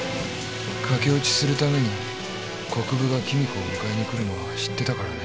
駆け落ちするために国府が貴美子を迎えに来るのは知ってたからね。